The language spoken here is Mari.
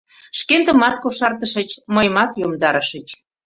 Шкендымат кошартышыч, мыйымат йомдарышыч.